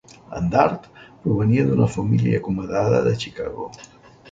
En Dart provenia d'una família acomodada de Chicago.